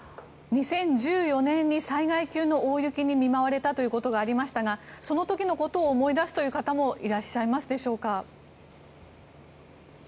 ２０１４年に災害級の大雪に見舞われたということがありましたがその時のことを思い出すという方もいらっしゃいますでしょうか。